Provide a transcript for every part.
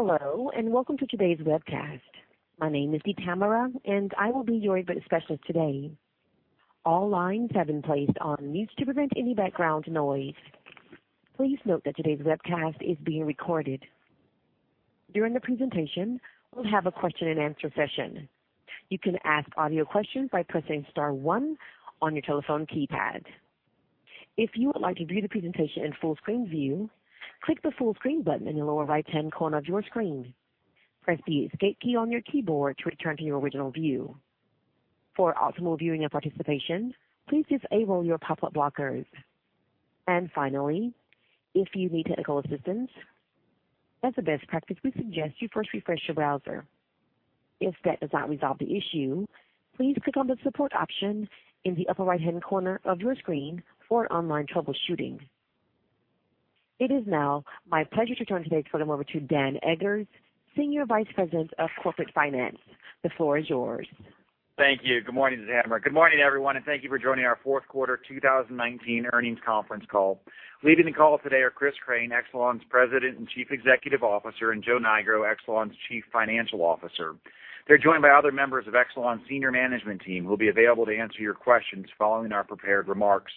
Hello, and welcome to today's webcast. My name is Tamara, and I will be your event specialist today. All lines have been placed on mute to prevent any background noise. Please note that today's webcast is being recorded. During the presentation, we'll have a question and answer session. You can ask audio questions by pressing star one on your telephone keypad. If you would like to view the presentation in full screen view, click the full screen button in the lower right-hand corner of your screen. Press the escape key on your keyboard to return to your original view. For optimal viewing and participation, please disable your pop-up blockers. Finally, if you need technical assistance, as a best practice, we suggest you first refresh your browser. If that does not resolve the issue, please click on the support option in the upper right-hand corner of your screen for online troubleshooting. It is now my pleasure to turn today's program over to Dan Eggers, Senior Vice President of Corporate Finance. The floor is yours. Thank you. Good morning, Tamara. Good morning, everyone, thank you for joining our fourth quarter 2019 earnings conference call. Leading the call today are Chris Crane, Exelon President and Chief Executive Officer, and Joe Nigro, Exelon Chief Financial Officer. They're joined by other members of Exelon senior management team, who'll be available to answer your questions following our prepared remarks.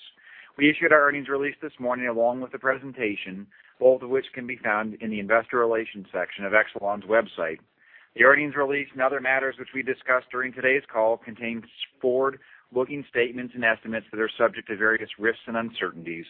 We issued our earnings release this morning along with the presentation, both of which can be found in the investor relations section of Exelon website. The earnings release and other matters which we discussed during today's call contains forward-looking statements and estimates that are subject to various risks and uncertainties.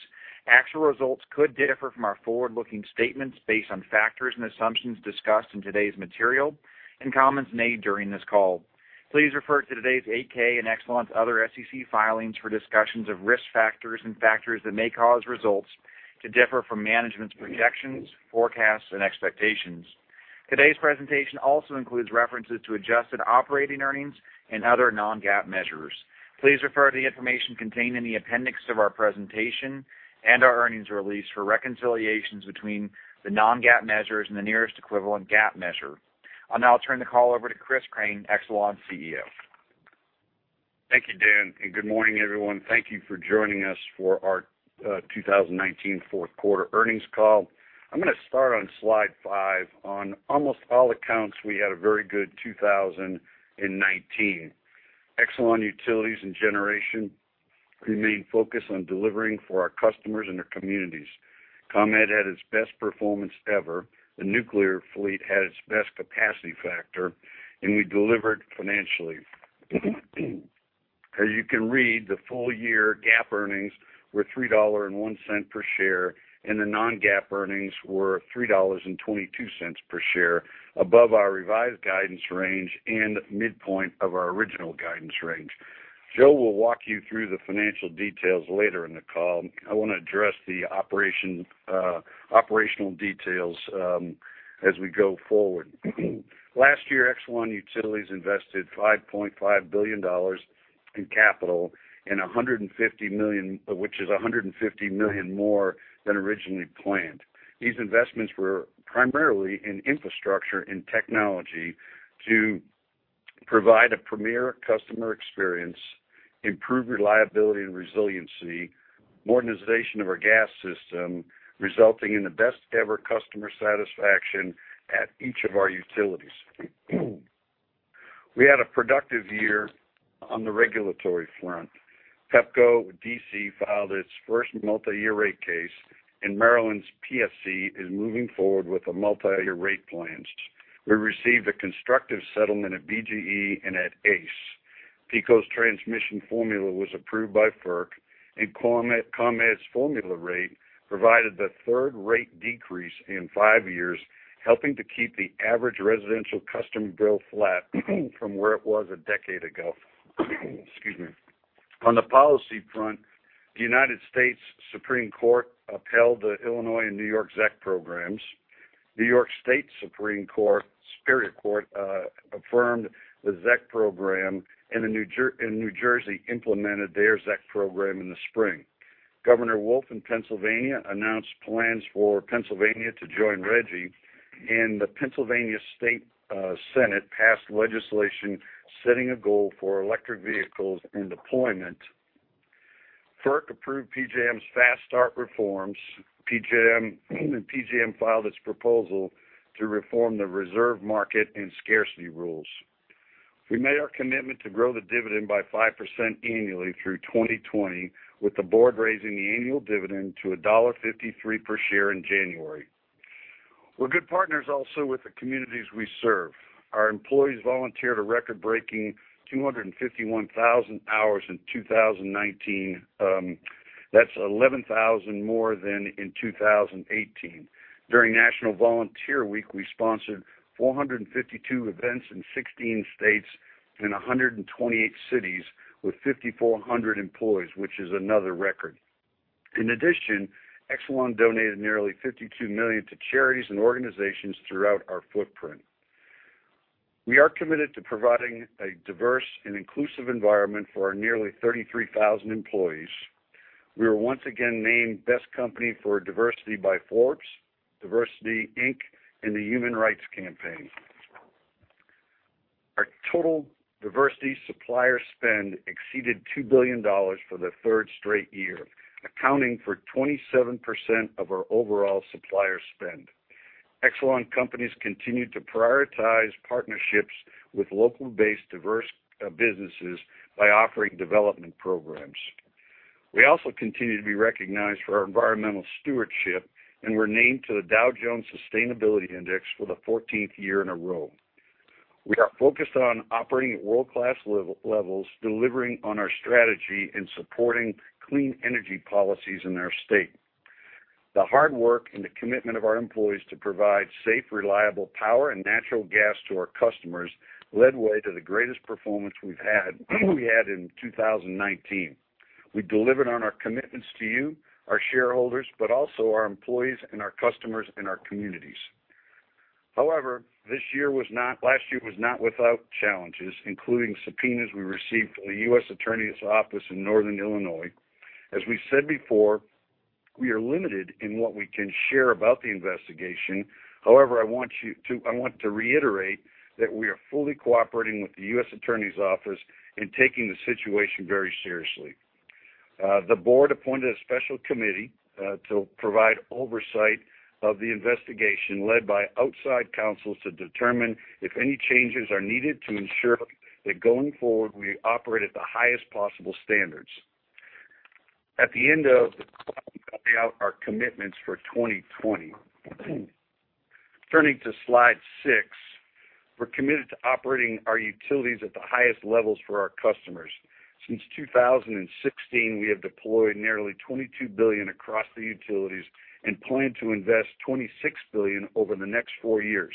Actual results could differ from our forward-looking statements based on factors and assumptions discussed in today's material and comments made during this call. Please refer to today's 8-K and Exelon other SEC filings for discussions of risk factors and factors that may cause results to differ from management's projections, forecasts, and expectations. Today's presentation also includes references to adjusted operating earnings and other non-GAAP measures. Please refer to the information contained in the appendix of our presentation and our earnings release for reconciliations between the non-GAAP measures and the nearest equivalent GAAP measure. I'll now turn the call over to Chris Crane, Exelon CEO. Thank you, Dan, and good morning, everyone. Thank you for joining us for our 2019 fourth quarter earnings call. I'm going to start on Slide 5. On almost all accounts, we had a very good 2019. Exelon Utilities and Generation remain focused on delivering for our customers and their communities. ComEd had its best performance ever. The nuclear fleet had its best capacity factor, and we delivered financially. As you can read, the full-year GAAP earnings were $3.01 per share, and the non-GAAP earnings were $3.22 per share, above our revised guidance range and midpoint of our original guidance range. Joe will walk you through the financial details later in the call. I want to address the operational details as we go forward. Last year, Exelon Utilities invested $5.5 billion in capital, which is $150 million more than originally planned. These investments were primarily in infrastructure and technology to provide a premier customer experience, improve reliability and resiliency, modernization of our gas system, resulting in the best-ever customer satisfaction at each of our utilities. We had a productive year on the regulatory front. Pepco D.C. filed its first multi-year rate case, and Maryland's PSC is moving forward with multi-year rate plans. We received a constructive settlement at BGE and at ACE. PECO's transmission formula was approved by FERC, and ComEd's formula rate provided the third rate decrease in five years, helping to keep the average residential customer bill flat from where it was a decade ago. Excuse me. On the policy front, the Supreme Court of the United States upheld the Illinois and New York ZEC programs. New York State Superior Court affirmed the ZEC program, and New Jersey implemented their ZEC program in the spring. Governor Wolf in Pennsylvania announced plans for Pennsylvania to join RGGI, and the Pennsylvania State Senate passed legislation setting a goal for electric vehicles and deployment. FERC approved PJM's Fast-Start reforms. PJM filed its proposal to reform the reserve market and scarcity rules. We made our commitment to grow the dividend by 5% annually through 2020, with the board raising the annual dividend to $1.53 per share in January. We're good partners also with the communities we serve. Our employees volunteered a record-breaking 251,000 hours in 2019. That's 11,000 more than in 2018. During National Volunteer Week, we sponsored 452 events in 16 states and 128 cities with 5,400 employees, which is another record. In addition, Exelon donated nearly $52 million to charities and organizations throughout our footprint. We are committed to providing a diverse and inclusive environment for our nearly 33,000 employees. We were once again named Best Company for Diversity by Forbes, DiversityInc, and the Human Rights Campaign. Total diversity supplier spend exceeded $2 billion for the third straight year, accounting for 27% of our overall supplier spend. Exelon companies continued to prioritize partnerships with local-based diverse businesses by offering development programs. We also continue to be recognized for our environmental stewardship, and were named to the Dow Jones Sustainability Index for the 14th year in a row. We are focused on operating at world-class levels, delivering on our strategy and supporting clean energy policies in our state. The hard work and the commitment of our employees to provide safe, reliable power and natural gas to our customers led way to the greatest performance we've had in 2019. We delivered on our commitments to you, our shareholders, but also our employees and our customers and our communities. However, last year was not without challenges, including subpoenas we received from the U.S. Attorney's Office in Northern Illinois. As we said before, we are limited in what we can share about the investigation. However, I want to reiterate that we are fully cooperating with the U.S. Attorney's Office in taking the situation very seriously. The board appointed a special committee to provide oversight of the investigation, led by outside counsels to determine if any changes are needed to ensure that going forward, we operate at the highest possible standards. At the end of the day, we carry out our commitments for 2020. Turning to Slide 6, we're committed to operating our utilities at the highest levels for our customers. Since 2016, we have deployed nearly $22 billion across the utilities and plan to invest $26 billion over the next four years.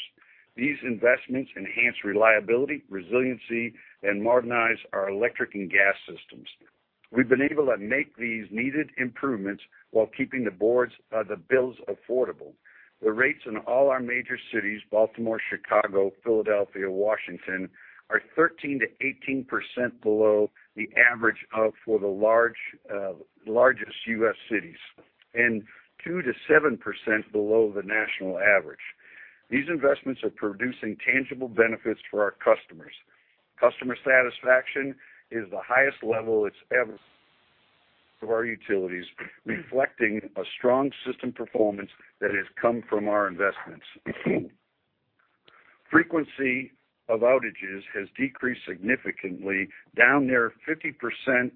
These investments enhance reliability, resiliency, and modernize our electric and gas systems. We've been able to make these needed improvements while keeping the bills affordable. The rates in all our major cities, Baltimore, Chicago, Philadelphia, Washington, are 13%-18% below the average for the largest U.S. cities, and 2%-7% below the national average. These investments are producing tangible benefits for our customers. Customer satisfaction is the highest level it's ever of our utilities, reflecting a strong system performance that has come from our investments. Frequency of outages has decreased significantly, down near 50%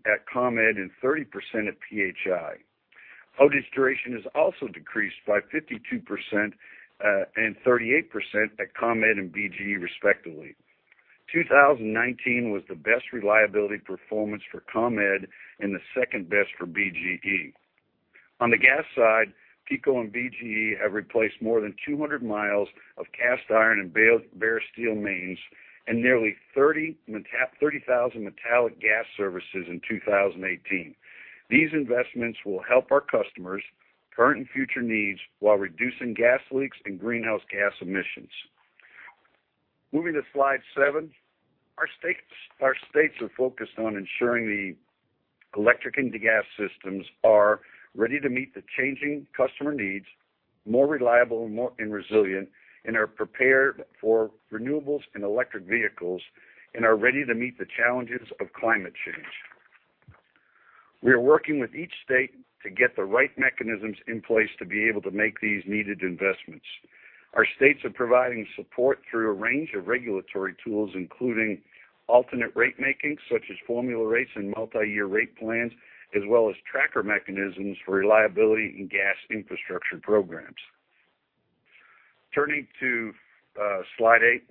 at ComEd and 30% at PHI. Outage duration has also decreased by 52% and 38% at ComEd and BGE, respectively. 2019 was the best reliability performance for ComEd and the second best for BGE. On the gas side, PECO and BGE have replaced more than 200 miles of cast iron and bare steel mains and nearly 30,000 metallic gas services in 2018. These investments will help our customers' current and future needs while reducing gas leaks and greenhouse gas emissions. Moving to Slide 7. Our states are focused on ensuring the electric and gas systems are ready to meet the changing customer needs, more reliable and resilient, and are prepared for renewables and electric vehicles, and are ready to meet the challenges of climate change. We are working with each state to get the right mechanisms in place to be able to make these needed investments. Our states are providing support through a range of regulatory tools, including alternate rate making, such as formula rates and multi-year rate plans, as well as tracker mechanisms for reliability and gas infrastructure programs. Turning to Slide 8,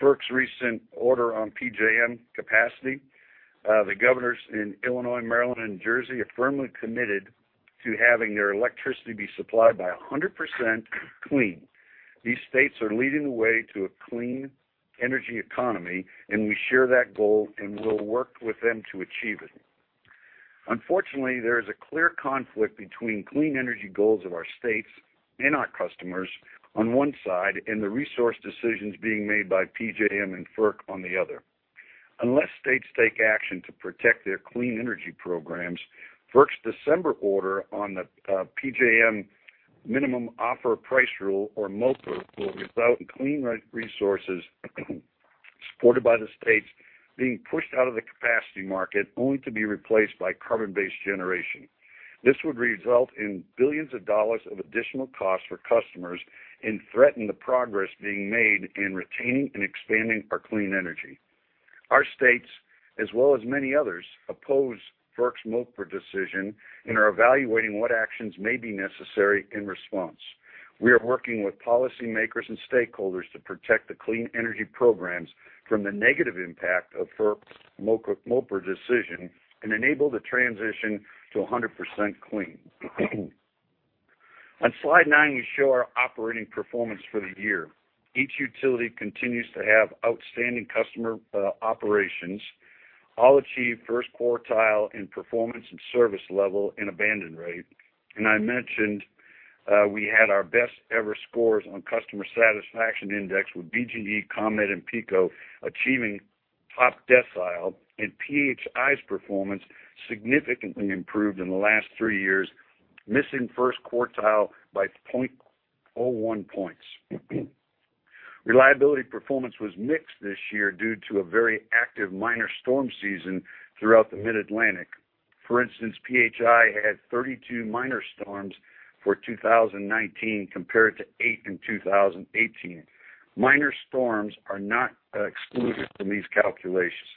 FERC's recent order on PJM capacity. The governors in Illinois, Maryland, and Jersey are firmly committed to having their electricity be supplied by 100% clean. These states are leading the way to a clean energy economy, we share that goal and will work with them to achieve it. Unfortunately, there is a clear conflict between clean energy goals of our states and our customers on one side, and the resource decisions being made by PJM and FERC on the other. Unless states take action to protect their clean energy programs, FERC's December order on the PJM Minimum Offer Price Rule or MOPR, will result in clean resources supported by the states being pushed out of the capacity market, only to be replaced by carbon-based generation. This would result in billions of dollars of additional costs for customers and threaten the progress being made in retaining and expanding our clean energy. Our states, as well as many others, oppose FERC's MOPR decision and are evaluating what actions may be necessary in response. We are working with policy makers and stakeholders to protect the clean energy programs from the negative impact of FERC's MOPR decision and enable the transition to 100% clean. On Slide 9, we show our operating performance for the year. Each utility continues to have outstanding customer operations, all achieve first quartile in performance and service level and abandon rate. I mentioned we had our best ever scores on customer satisfaction index, with BGE, ComEd, and PECO achieving top decile, and PHI's performance significantly improved in the last three years, missing first quartile by 0.01 points. Reliability performance was mixed this year due to a very active minor storm season throughout the Mid-Atlantic. For instance, PHI had 32 minor storms for 2019, compared to eight in 2018. Minor storms are not excluded from these calculations.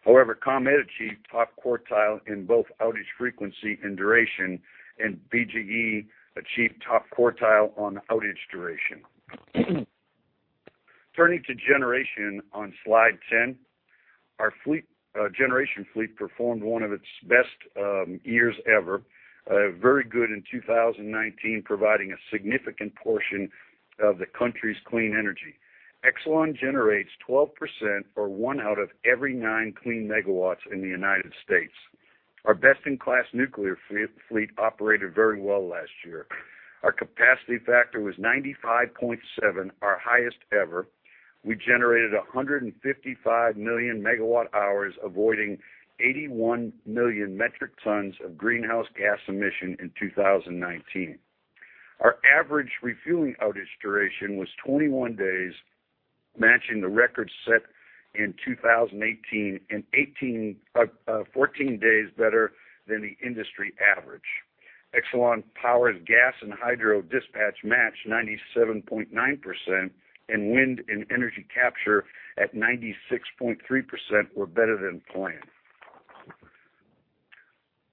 However, ComEd achieved top quartile in both outage frequency and duration, and BGE achieved top quartile on outage duration. Turning to generation on Slide 10. Our generation fleet performed one of its best years ever, very good in 2019, providing a significant portion of the country's clean energy. Exelon generates 12%, or one out of every 9 clean MW in the U.S. Our best-in-class nuclear fleet operated very well last year. Our capacity factor was 95.7%, our highest ever. We generated 155 million megawatt hours, avoiding 81 million metric tons of greenhouse gas emission in 2019. Our average refueling outage duration was 21 days, matching the record set in 2018, and 14 days better than the industry average. Exelon-powered gas and hydro dispatch matched 97.9%, and wind and energy capture at 96.3% were better than planned.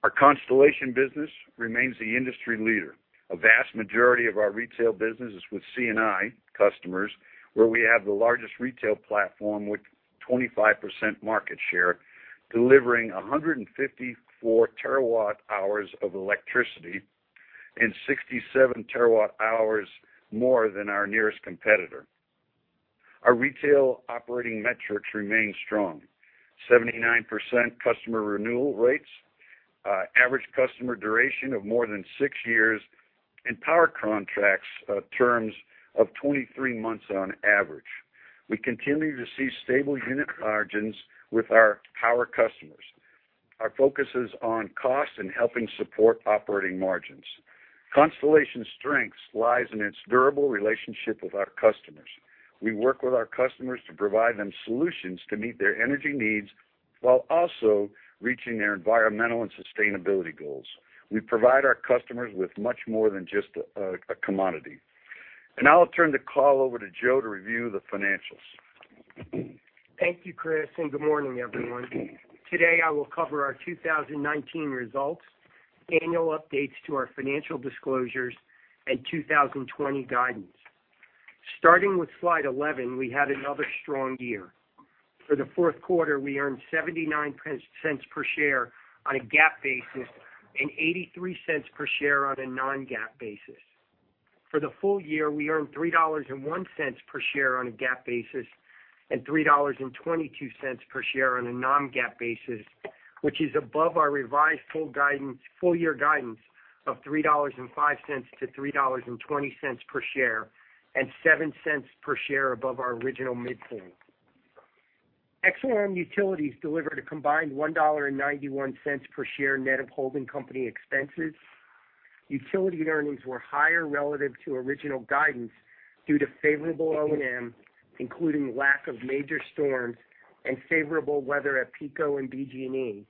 Our Constellation business remains the industry leader. A vast majority of our retail business is with C&I customers, where we have the largest retail platform with 25% market share, delivering 154 TWh of electricity, and 67 TWh more than our nearest competitor. Our retail operating metrics remain strong. 79% customer renewal rates, average customer duration of more than six years, and power contracts terms of 23 months on average. We continue to see stable unit margins with our power customers. Our focus is on cost and helping support operating margins. Constellation's strengths lies in its durable relationship with our customers. We work with our customers to provide them solutions to meet their energy needs, while also reaching their environmental and sustainability goals. We provide our customers with much more than just a commodity. Now I'll turn the call over to Joe to review the financials. Thank you, Chris, and good morning, everyone. Today, I will cover our 2019 results, annual updates to our financial disclosures, and 2020 guidance. Starting with Slide 11, we had another strong year. For the fourth quarter, we earned $0.79 per share on a GAAP basis and $0.83 per share on a non-GAAP basis. For the full year, we earned $3.01 per share on a GAAP basis and $3.22 per share on a non-GAAP basis, which is above our revised full-year guidance of $3.05-$3.20 per share, and $0.07 per share above our original midpoint. Exelon Utilities delivered a combined $1.91 per share net of holding company expenses. Utility earnings were higher relative to original guidance due to favorable O&M, including lack of major storms and favorable weather at PECO and BGE,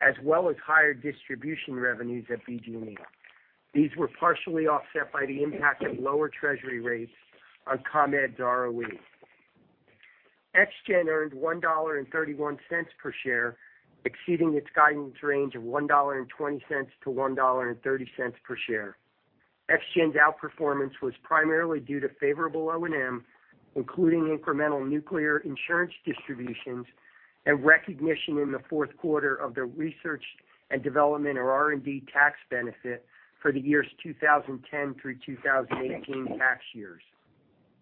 as well as higher distribution revenues at BGE. These were partially offset by the impact of lower Treasury rates on ComEd's ROE. ExGen earned $1.31 per share, exceeding its guidance range of $1.20-$1.30 per share. ExGen's outperformance was primarily due to favorable O&M, including incremental nuclear insurance distributions and recognition in the fourth quarter of their research and development, or R&D, tax benefit for the years 2010 through 2018 tax years.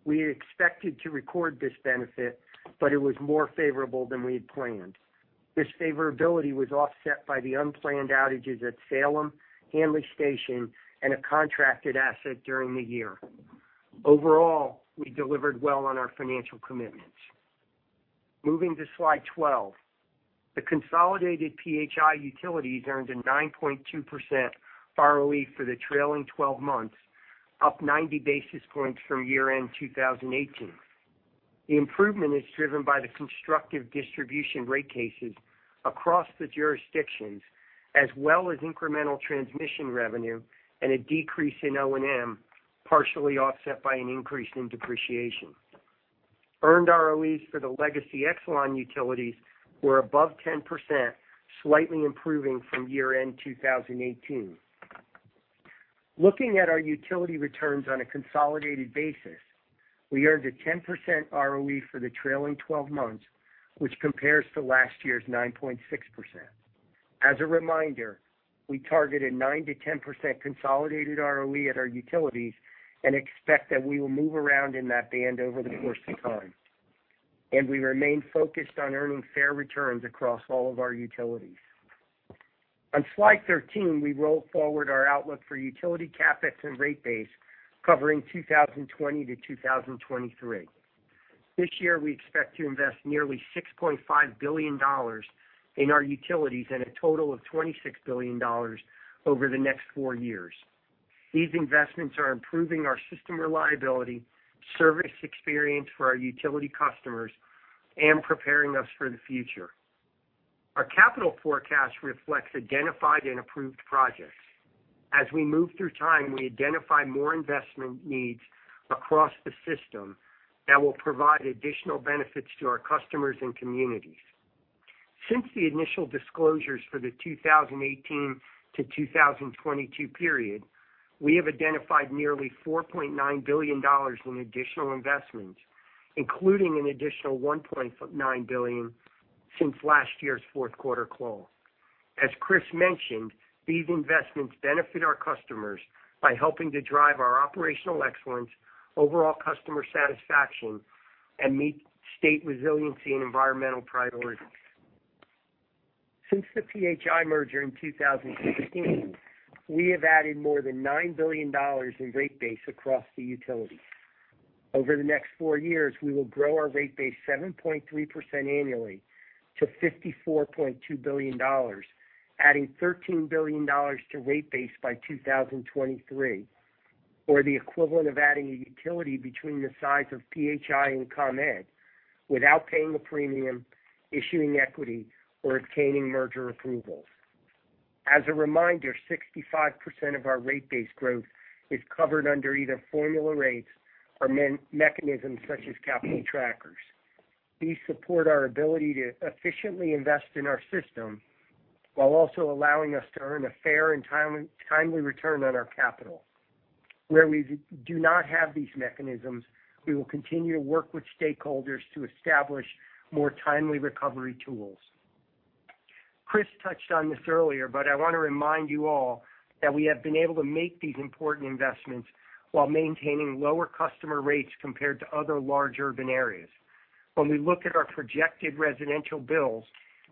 We had expected to record this benefit, but it was more favorable than we had planned. This favorability was offset by the unplanned outages at Salem, Handley Station, and a contracted asset during the year. Overall, we delivered well on our financial commitments. Moving to Slide 12. The consolidated PHI Utilities earned a 9.2% ROE for the trailing 12 months, up 90 basis points from year-end 2018. The improvement is driven by the constructive distribution rate cases across the jurisdictions, as well as incremental transmission revenue and a decrease in O&M, partially offset by an increase in depreciation. Earned ROEs for the legacy Exelon Utilities were above 10%, slightly improving from year-end 2018. Looking at our utility returns on a consolidated basis, we earned a 10% ROE for the trailing 12 months, which compares to last year's 9.6%. As a reminder, we targeted 9%-10% consolidated ROE at our utilities and expect that we will move around in that band over the course of time. We remain focused on earning fair returns across all of our utilities. On Slide 13, we roll forward our outlook for utility CapEx and rate base covering 2020-2023. This year, we expect to invest nearly $6.5 billion in our utilities and a total of $26 billion over the next four years. These investments are improving our system reliability, service experience for our utility customers, and preparing us for the future. Our capital forecast reflects identified and approved projects. As we move through time, we identify more investment needs across the system that will provide additional benefits to our customers and communities. Since the initial disclosures for the 2018-2022 period, we have identified nearly $4.9 billion in additional investments, including an additional $1.9 billion since last year's fourth quarter call. As Chris mentioned, these investments benefit our customers by helping to drive our operational excellence, overall customer satisfaction, and meet state resiliency and environmental priorities. Since the PHI merger in 2016, we have added more than $9 billion in rate base across the utilities. Over the next four years, we will grow our rate base 7.3% annually to $54.2 billion, adding $13 billion to rate base by 2023, or the equivalent of adding a utility between the size of PHI and ComEd without paying a premium, issuing equity, or obtaining merger approvals. As a reminder, 65% of our rate base growth is covered under either formula rates or mechanisms such as capital trackers. These support our ability to efficiently invest in our system while also allowing us to earn a fair and timely return on our capital. Where we do not have these mechanisms, we will continue to work with stakeholders to establish more timely recovery tools. Chris touched on this earlier, but I want to remind you all that we have been able to make these important investments while maintaining lower customer rates compared to other large urban areas. When we look at our projected residential bills,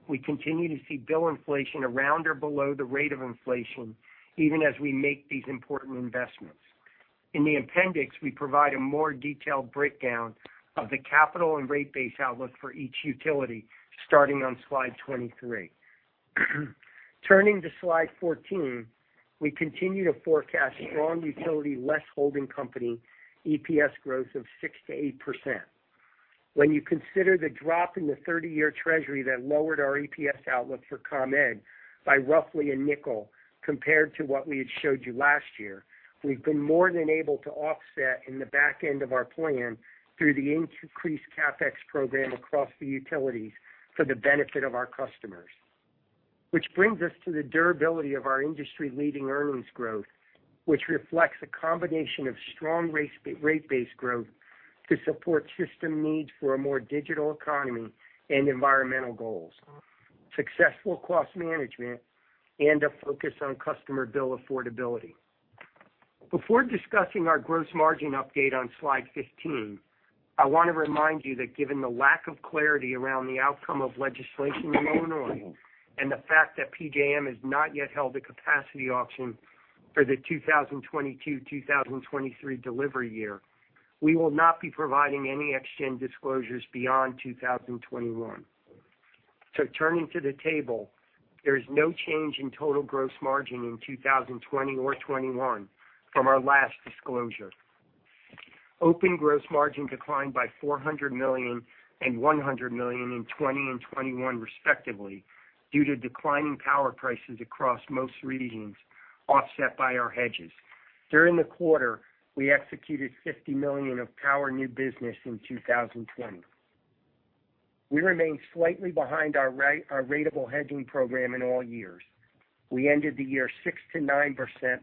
we continue to see bill inflation around or below the rate of inflation, even as we make these important investments. In the appendix, we provide a more detailed breakdown of the capital and rate base outlook for each utility, starting on Slide 23. Turning to Slide 14, we continue to forecast strong utility less holding company EPS growth of 6%-8%. When you consider the drop in the 30-year Treasury that lowered our EPS outlook for ComEd by roughly $0.05 compared to what we had showed you last year, we've been more than able to offset in the back end of our plan through the increased CapEx program across the utilities for the benefit of our customers. Which brings us to the durability of our industry-leading earnings growth, which reflects a combination of strong rate base growth to support system needs for a more digital economy and environmental goals, successful cost management, and a focus on customer bill affordability. Before discussing our gross margin update on Slide 15, I want to remind you that given the lack of clarity around the outcome of legislation in Illinois and the fact that PJM has not yet held a capacity auction for the 2022-2023 delivery year, we will not be providing any ExGen disclosures beyond 2021. Turning to the table, there is no change in total gross margin in 2020 or 2021 from our last disclosure. Open gross margin declined by $400 million and $100 million in 2020 and 2021, respectively, due to declining power prices across most regions, offset by our hedges. During the quarter, we executed $50 million of power new business in 2020. We remain slightly behind our ratable hedging program in all years. We ended the year 6%-9%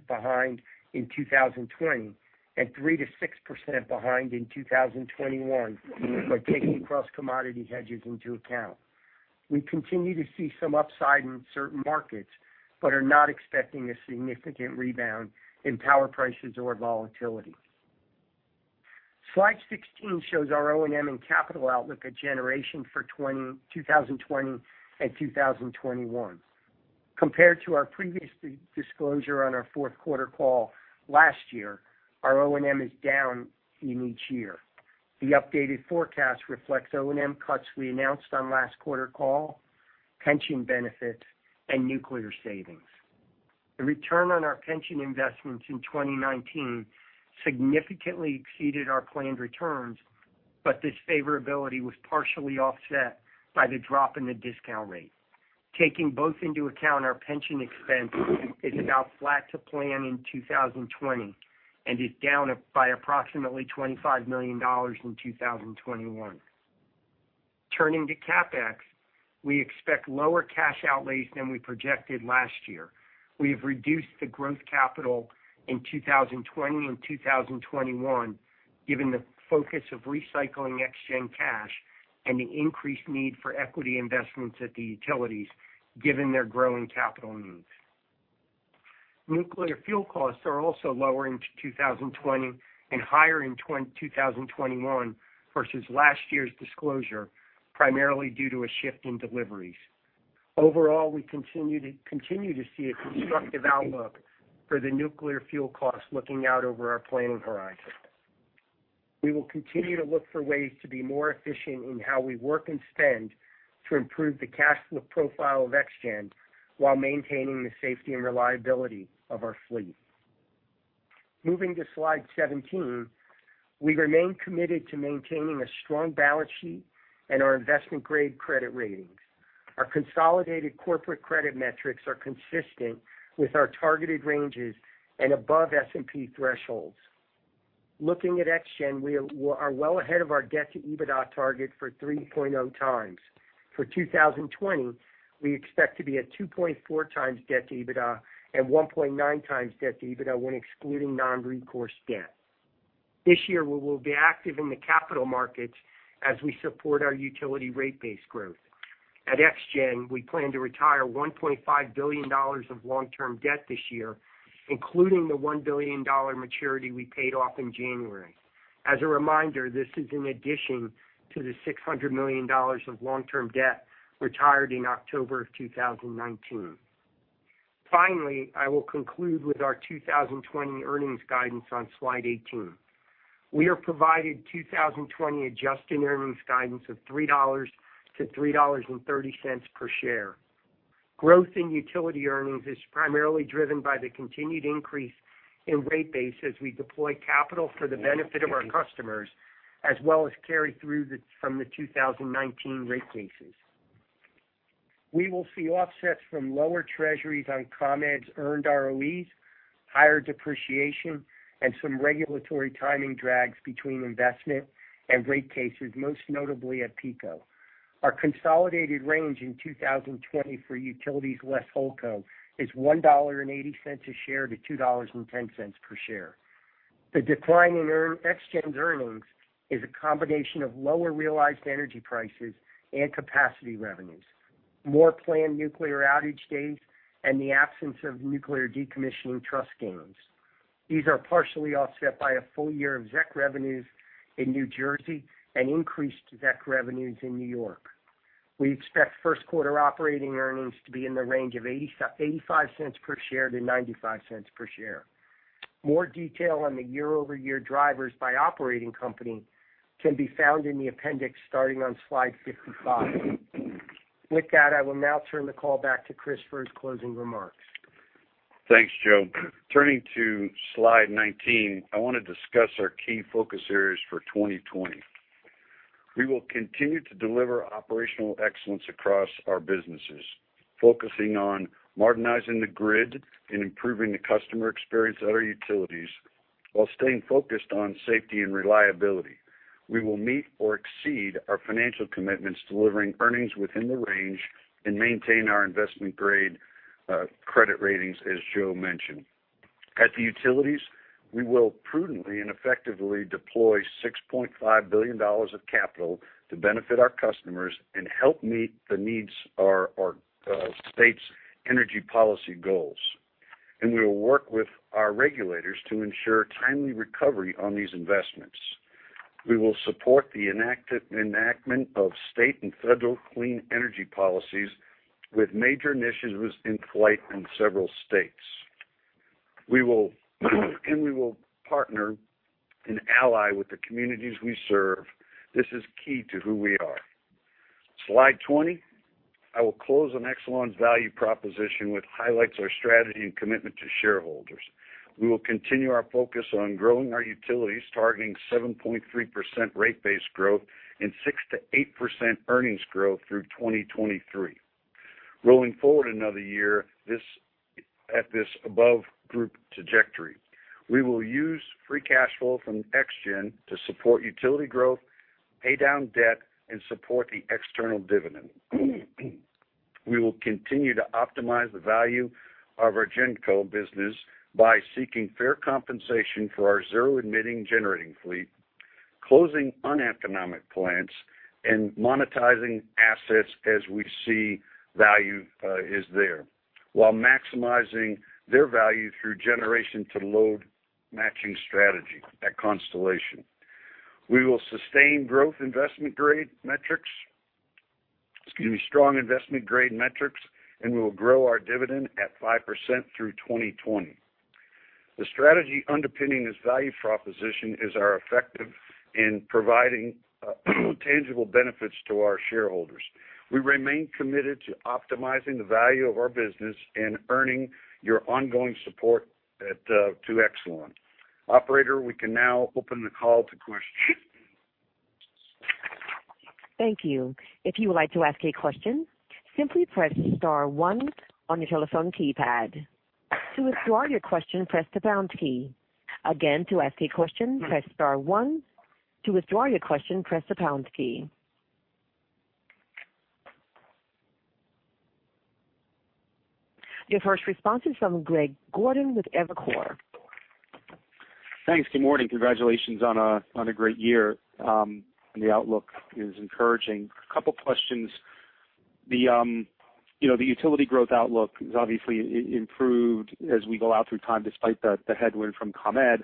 behind in 2020 and 3%-6% behind in 2021 by taking cross-commodity hedges into account. We continue to see some upside in certain markets but are not expecting a significant rebound in power prices or volatility. Slide 16 shows our O&M and capital outlook at generation for 2020 and 2021. Compared to our previous disclosure on our fourth quarter call last year, our O&M is down in each year. The updated forecast reflects O&M cuts we announced on last quarter call, pension benefit, and nuclear savings. The return on our pension investments in 2019 significantly exceeded our planned returns, but this favorability was partially offset by the drop in the discount rate. Taking both into account, our pension expense is about flat to plan in 2020 and is down by approximately $25 million in 2021. Turning to CapEx, we expect lower cash outlays than we projected last year. We have reduced the growth capital in 2020 and 2021 given the focus of recycling ExGen cash and the increased need for equity investments at the utilities given their growing capital needs. Nuclear fuel costs are also lower in 2020 and higher in 2021 versus last year's disclosure, primarily due to a shift in deliveries. Overall, we continue to see a constructive outlook for the nuclear fuel costs looking out over our planning horizon. We will continue to look for ways to be more efficient in how we work and spend to improve the cash flow profile of ExGen while maintaining the safety and reliability of our fleet. Moving to Slide 17. We remain committed to maintaining a strong balance sheet and our investment-grade credit ratings. Our consolidated corporate credit metrics are consistent with our targeted ranges and above S&P thresholds. Looking at ExGen, we are well ahead of our debt to EBITDA target for 3.0x. For 2020, we expect to be at 2.4x debt to EBITDA and 1.9x debt to EBITDA when excluding non-recourse debt. This year, we will be active in the capital markets as we support our utility rate base growth. At ExGen, we plan to retire $1.5 billion of long-term debt this year, including the $1 billion maturity we paid off in January. As a reminder, this is in addition to the $600 million of long-term debt retired in October of 2019. Finally, I will conclude with our 2020 earnings guidance on Slide 18. We have provided 2020 adjusted earnings guidance of $3-$3.30 per share. Growth in utility earnings is primarily driven by the continued increase in rate base as we deploy capital for the benefit of our customers, as well as carry through from the 2019 rate cases. We will see offsets from lower treasuries on ComEd's earned ROEs, higher depreciation, and some regulatory timing drags between investment and rate cases, most notably at PECO. Our consolidated range in 2020 for utilities, less HoldCo is $1.80 per share to $2.10 per share. The decline in ExGen's earnings is a combination of lower realized energy prices and capacity revenues, more planned nuclear outage days, and the absence of nuclear decommissioning trust gains. These are partially offset by a full year of ZEC revenues in New Jersey and increased ZEC revenues in New York. We expect first quarter operating earnings to be in the range of $0.85 per share to $0.95 per share. More detail on the year-over-year drivers by operating company can be found in the appendix starting on Slide 55. With that, I will now turn the call back to Chris for his closing remarks. Thanks, Joe. Turning to Slide 19, I want to discuss our key focus areas for 2020. We will continue to deliver operational excellence across our businesses, focusing on modernizing the grid and improving the customer experience at our utilities, while staying focused on safety and reliability. We will meet or exceed our financial commitments, delivering earnings within the range, and maintain our investment-grade credit ratings, as Joe mentioned. At the utilities, we will prudently and effectively deploy $6.5 billion of capital to benefit our customers and help meet the needs of our state's energy policy goals. We will work with our regulators to ensure timely recovery on these investments. We will support the enactment of state and federal clean energy policies with major initiatives in flight in several states. We will partner and ally with the communities we serve. This is key to who we are. Slide 20. I will close on Exelon value proposition, which highlights our strategy and commitment to shareholders. We will continue our focus on growing our utilities, targeting 7.3% rate base growth and 6%-8% earnings growth through 2023. Rolling forward another year at this above-group trajectory. We will use free cash flow from ExGen to support utility growth, pay down debt, and support the external dividend. We will continue to optimize the value of our GenCo business by seeking fair compensation for our zero-emitting generating fleet, closing uneconomic plants, and monetizing assets as we see value is there, while maximizing their value through generation to load matching strategy at Constellation. We will sustain strong investment-grade metrics, and we will grow our dividend at 5% through 2020. The strategy underpinning this value proposition is our effective in providing tangible benefits to our shareholders. We remain committed to optimizing the value of our business and earning your ongoing support to Exelon. Operator, we can now open the call to questions. Thank you. If you would like to ask a question, simply press star one on your telephone keypad. To withdraw your question, press the pound key. Again, to ask a question, press star one. To withdraw your question, press the pound key. Your first response is from Greg Gordon with Evercore. Thanks. Good morning. Congratulations on a great year. The outlook is encouraging. A couple of questions. The utility growth outlook has obviously improved as we go out through time, despite the headwind from ComEd.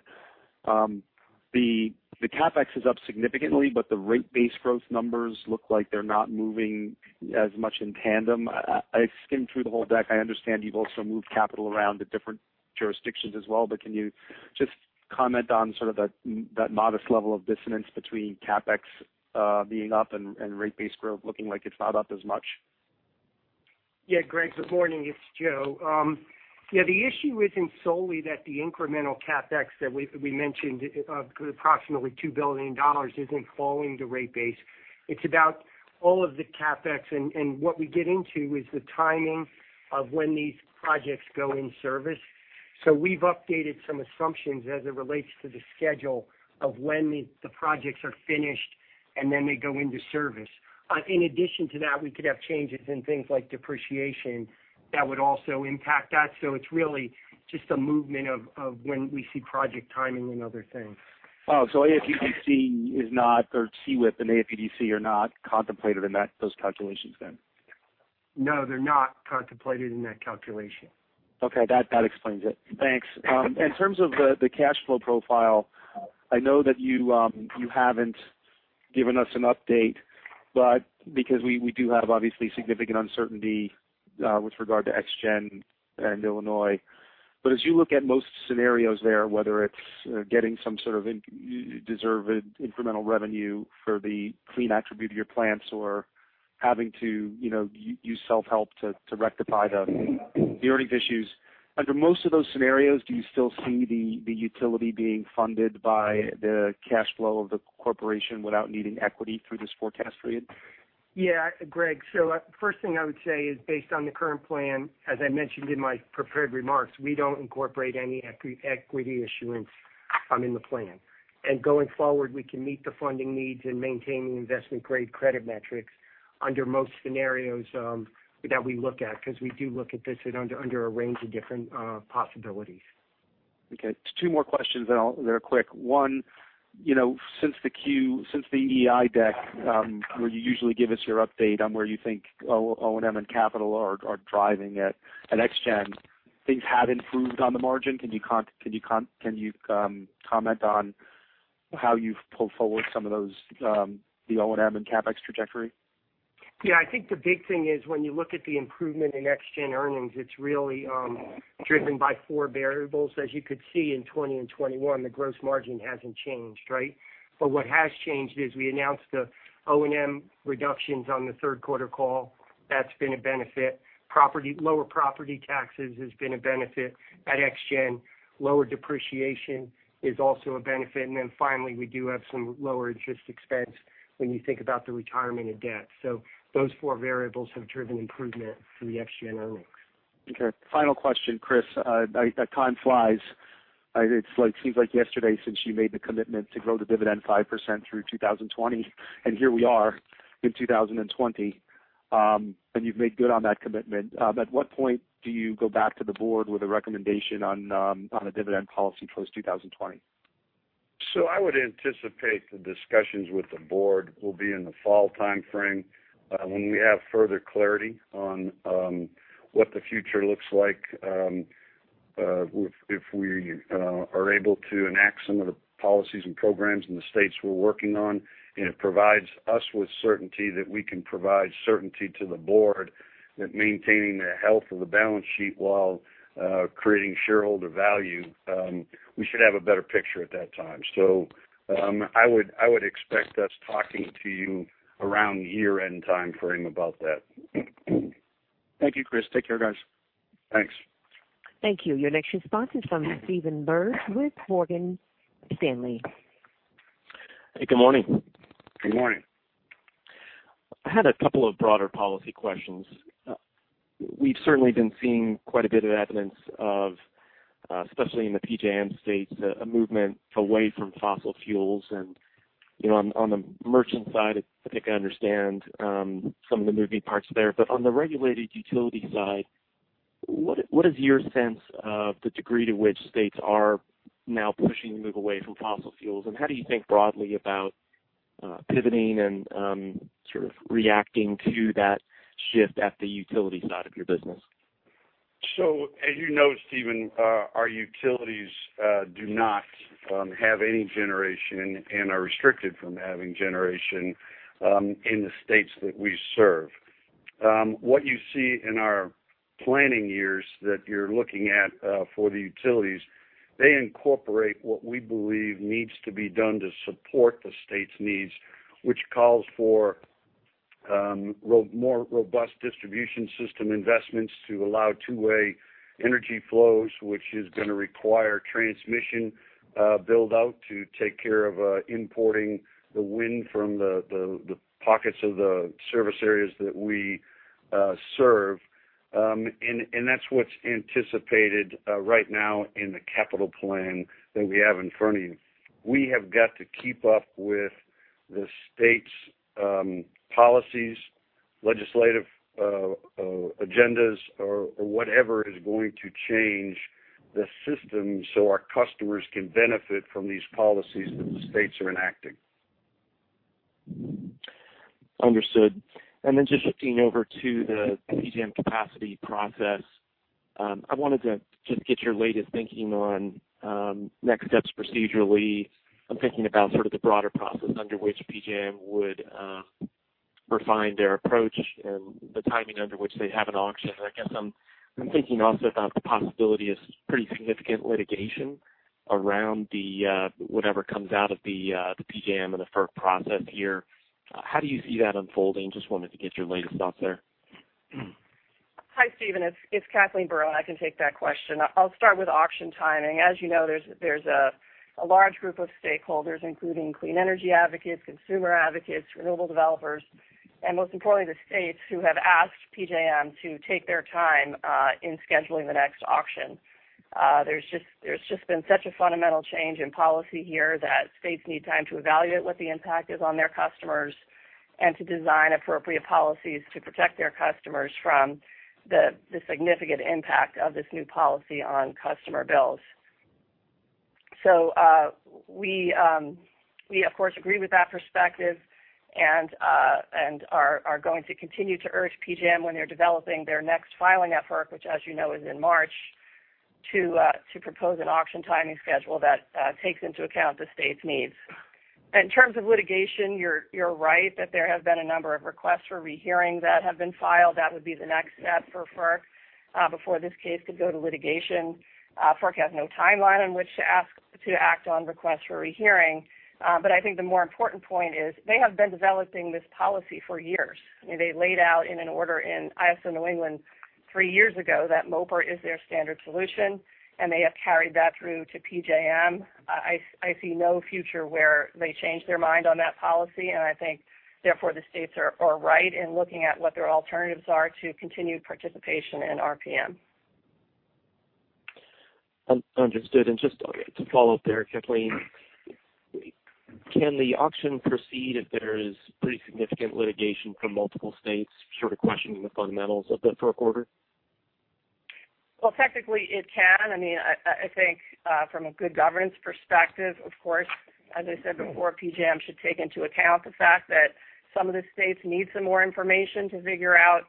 The CapEx is up significantly. The rate base growth numbers look like they're not moving as much in tandem. I skimmed through the whole deck. I understand you've also moved capital around to different jurisdictions as well. Can you just comment on sort of that modest level of dissonance between CapEx being up and rate base growth looking like it's not up as much? Yeah, Greg, good morning. It's Joe. The issue isn't solely that the incremental CapEx that we mentioned, approximately $2 billion, isn't falling to rate base. It's about all of the CapEx. What we get into is the timing of when these projects go in service. We've updated some assumptions as it relates to the schedule of when the projects are finished, and then they go into service. In addition to that, we could have changes in things like depreciation that would also impact that. It's really just a movement of when we see project timing and other things. AFUDC or CWIP and AFUDC are not contemplated in those calculations then? No, they're not contemplated in that calculation. Okay. That explains it. Thanks. In terms of the cash flow profile, I know that you haven't given us an update, but because we do have obviously significant uncertainty with regard to ExGen and Illinois. As you look at most scenarios there, whether it's getting some sort of deserved incremental revenue for the clean attribute of your plants or having to use self-help to rectify the earnings issues. Under most of those scenarios, do you still see the utility being funded by the cash flow of the corporation without needing equity through this forecast period? Yeah, Greg. First thing I would say is based on the current plan, as I mentioned in my prepared remarks, we don't incorporate any equity issuance in the plan. Going forward, we can meet the funding needs and maintain the investment-grade credit metrics under most scenarios that we look at, because we do look at this under a range of different possibilities. Okay. Just two more questions, they're quick. One, since the EEI deck where you usually give us your update on where you think O&M and capital are driving at ExGen, things have improved on the margin. Can you comment on how you've pulled forward some of those, the O&M and CapEx trajectory? Yeah, I think the big thing is when you look at the improvement in ExGen earnings, it's really driven by four variables. As you could see in 2020 and 2021, the gross margin hasn't changed, right? What has changed is we announced the O&M reductions on the third quarter call. That's been a benefit. Lower property taxes has been a benefit at ExGen. Lower depreciation is also a benefit. Finally, we do have some lower interest expense when you think about the retirement of debt. Those four variables have driven improvement in the ExGen earnings. Okay. Final question, Chris. Time flies. It seems like yesterday since you made the commitment to grow the dividend 5% through 2020, here we are in 2020. You've made good on that commitment. At what point do you go back to the board with a recommendation on a dividend policy post-2020? I would anticipate the discussions with the Board will be in the fall timeframe when we have further clarity on what the future looks like. If we are able to enact some of the policies and programs in the states we're working on, and it provides us with certainty that we can provide certainty to the Board that maintaining the health of the balance sheet while creating shareholder value. We should have a better picture at that time. I would expect us talking to you around year-end timeframe about that. Thank you, Chris. Take care, guys. Thanks. Thank you. Your next response is from Stephen Byrd with Morgan Stanley. Hey, good morning. Good morning. I had a couple of broader policy questions. We've certainly been seeing quite a bit of evidence of, especially in the PJM states, a movement away from fossil fuels. On the merchant side, I think I understand some of the moving parts there. On the regulated utility side, what is your sense of the degree to which states are now pushing to move away from fossil fuels? How do you think broadly about pivoting and sort of reacting to that shift at the utility side of your business? As you know, Stephen, our utilities do not have any generation and are restricted from having generation in the states that we serve. What you see in our planning years that you're looking at for the utilities, they incorporate what we believe needs to be done to support the state's needs. Which calls for more robust distribution system investments to allow two-way energy flows, which is going to require transmission build-out to take care of importing the wind from the pockets of the service areas that we serve. That's what's anticipated right now in the capital plan that we have in front of you. We have got to keep up with the state's policies, legislative agendas or whatever is going to change the system so our customers can benefit from these policies that the states are enacting. Understood. Just shifting over to the PJM capacity process. I wanted to just get your latest thinking on next steps procedurally. I'm thinking about sort of the broader process under which PJM would refine their approach and the timing under which they'd have an auction. I guess I'm thinking also about the possibility of pretty significant litigation around whatever comes out of the PJM and the FERC process here. How do you see that unfolding? Just wanted to get your latest thoughts there. Hi, Stephen. It's Kathleen Barron. I can take that question. I'll start with auction timing. As you know, there's a large group of stakeholders, including clean energy advocates, consumer advocates, renewable developers, and most importantly, the states who have asked PJM to take their time in scheduling the next auction. There's just been such a fundamental change in policy here that states need time to evaluate what the impact is on their customers and to design appropriate policies to protect their customers from the significant impact of this new policy on customer bills. We, of course, agree with that perspective and are going to continue to urge PJM when they're developing their next filing at FERC, which, as you know, is in March, to propose an auction timing schedule that takes into account the state's needs. In terms of litigation, you're right that there have been a number of requests for rehearing that have been filed. That would be the next step for FERC, before this case could go to litigation. FERC has no timeline in which to act on requests for rehearing. I think the more important point is they have been developing this policy for years. They laid out in an order in ISO New England three years ago that MOPR is their standard solution, and they have carried that through to PJM. I see no future where they change their mind on that policy, and I think therefore the states are right in looking at what their alternatives are to continued participation in RPM. Understood. Just to follow up there, Kathleen, can the auction proceed if there is pretty significant litigation from multiple states sort of questioning the fundamentals of the FERC order? Well, technically it can. I think from a good governance perspective, of course, as I said before, PJM should take into account the fact that some of the states need some more information to figure out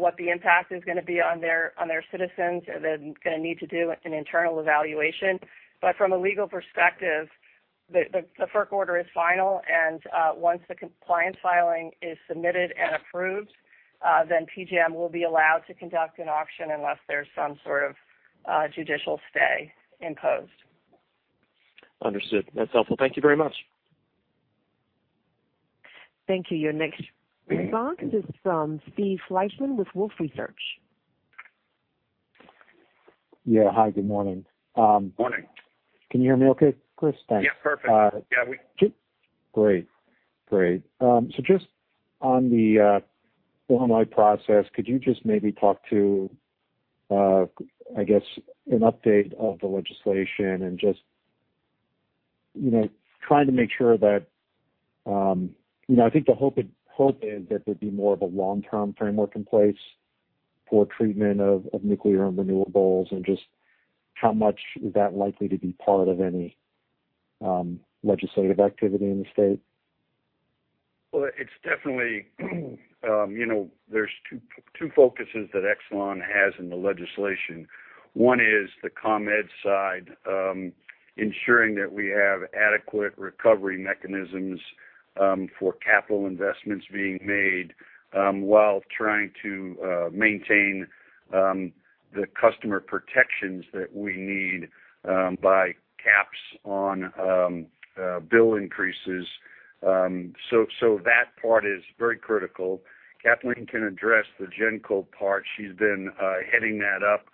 what the impact is going to be on their citizens, and they're going to need to do an internal evaluation. From a legal perspective, the FERC order is final, and once the compliance filing is submitted and approved, PJM will be allowed to conduct an auction unless there's some sort of judicial stay imposed. Understood. That's helpful. Thank you very much. Thank you. Your next response is from Steve Fleishman with Wolfe Research. Yeah. Hi, good morning. Morning. Can you hear me okay, Chris? Thanks. Yeah, perfect. Great. Just on the Illinois process, could you just maybe talk to, I guess, an update of the legislation and just trying to make sure that I think the hope is that there'd be more of a long-term framework in place for treatment of nuclear and renewables? Just how much is that likely to be part of any legislative activity in the state? There's two focuses that Exelon has in the legislation. One is the ComEd side, ensuring that we have adequate recovery mechanisms for capital investments being made while trying to maintain the customer protections that we need by caps on bill increases. That part is very critical. Kathleen can address the GenCo part. She's been heading that up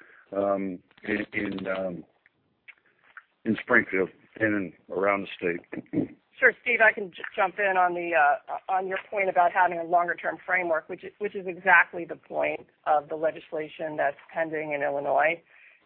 in Springfield and around the state. Sure, Steve, I can jump in on your point about having a longer-term framework, which is exactly the point of the legislation that's pending in Illinois.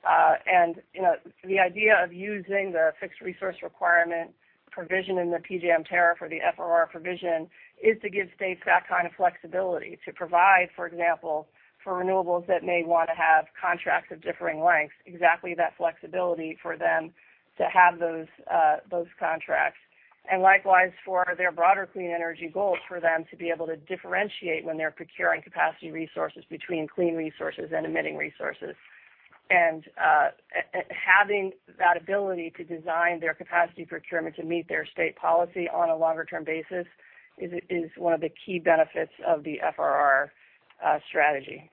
The idea of using the Fixed Resource Requirement provision in the PJM tariff or the FRR provision is to give states that kind of flexibility to provide, for example, for renewables that may want to have contracts of differing lengths, exactly that flexibility for them to have those contracts. Likewise, for their broader clean energy goals, for them to be able to differentiate when they're procuring capacity resources between clean resources and emitting resources. Having that ability to design their capacity procurement to meet their state policy on a longer-term basis is one of the key benefits of the FRR strategy.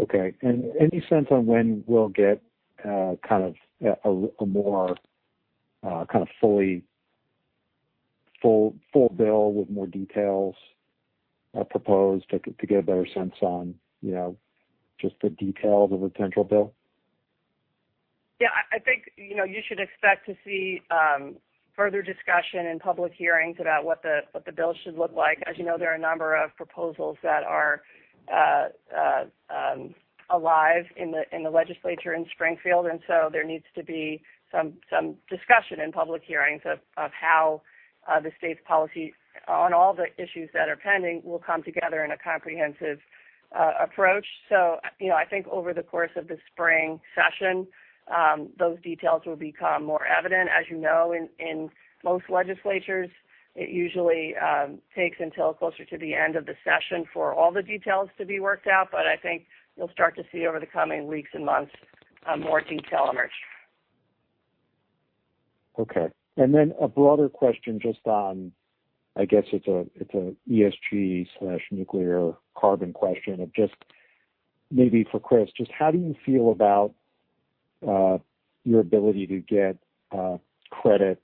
Okay. Any sense on when we'll get a more kind of fully full bill with more details proposed to get a better sense on just the details of the potential bill? Yeah, I think you should expect to see further discussion in public hearings about what the bill should look like. As you know, there are a number of proposals that are alive in the legislature in Springfield. There needs to be some discussion in public hearings of how the state's policy on all the issues that are pending will come together in a comprehensive approach. I think over the course of the spring session, those details will become more evident. As you know, in most legislatures, it usually takes until closer to the end of the session for all the details to be worked out. I think you'll start to see over the coming weeks and months, more detail emerge. Okay. Then a broader question just on, I guess it's a ESG/nuclear carbon question of just maybe for Chris. Just how do you feel about your ability to get credit?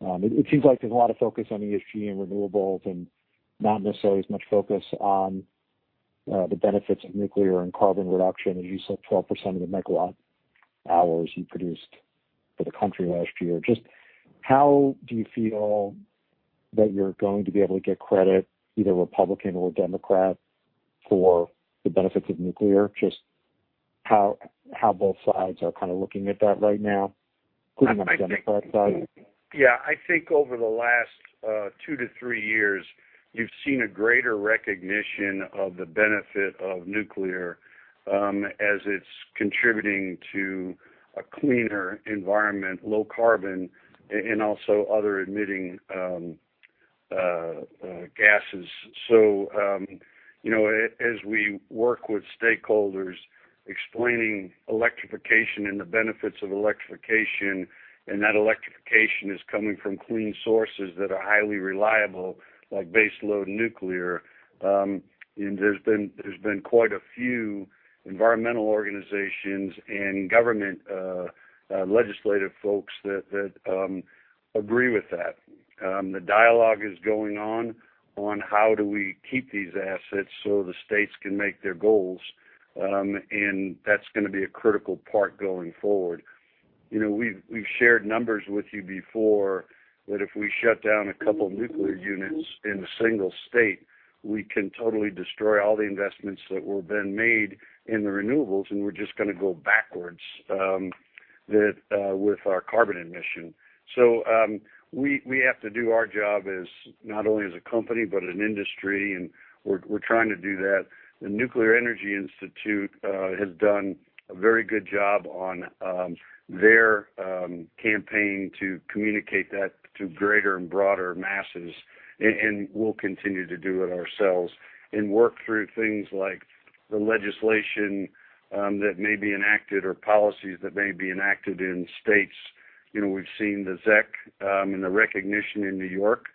It seems like there's a lot of focus on ESG and renewables and not necessarily as much focus on the benefits of nuclear and carbon reduction. As you said, 12% of the megawatt hours you produced for the country last year. Just how do you feel that you're going to be able to get credit, either Republican or Democrat, for the benefits of nuclear? Just how both sides are kind of looking at that right now, including on the Democrat side. Yeah, I think over the last two to three years, you've seen a greater recognition of the benefit of nuclear, as it's contributing to a cleaner environment, low carbon, and also other emitting gases. As we work with stakeholders explaining electrification and the benefits of electrification, and that electrification is coming from clean sources that are highly reliable, like baseload nuclear. There's been quite a few environmental organizations and government legislative folks that agree with that. The dialogue is going on how do we keep these assets so the states can make their goals? That's going to be a critical part going forward. We've shared numbers with you before that if we shut down a couple of nuclear units in a single state, we can totally destroy all the investments that were then made in the renewables, and we're just going to go backwards with our carbon emission. We have to do our job as not only as a company, but an industry, and we're trying to do that. The Nuclear Energy Institute has done a very good job on their campaign to communicate that to greater and broader masses, and we'll continue to do it ourselves and work through things like the legislation that may be enacted or policies that may be enacted in states. We've seen the ZEC, and the recognition in New York.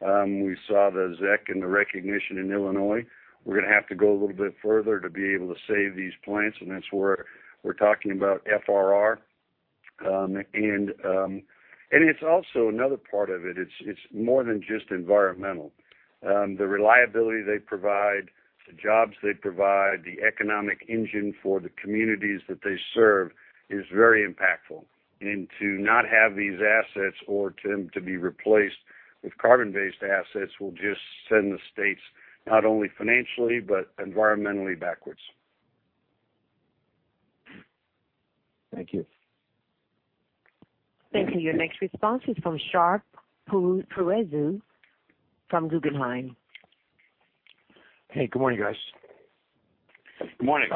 We saw the ZEC and the recognition in Illinois. We're going to have to go a little bit further to be able to save these plants, and that's where we're talking about FRR. It's also another part of it. It's more than just environmental. The reliability they provide, the jobs they provide, the economic engine for the communities that they serve is very impactful. To not have these assets or to be replaced with carbon-based assets will just send the states, not only financially, but environmentally backwards. Thank you. Thank you. Your next response is from Shar Pourreza from Guggenheim. Hey, good morning, guys. Good morning.